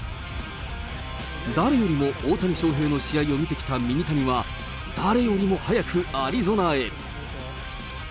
誰よりも大谷翔平の試合を見てきたミニタニは、誰よりも早くアリゾナへ。